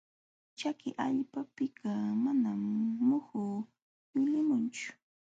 Chaki allpapiqa manam muhu yulimunchu.